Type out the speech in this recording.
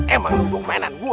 emang itu gua kemainan lu ah